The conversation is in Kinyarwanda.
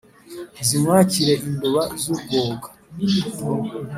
zimwakire induba z'urwoga.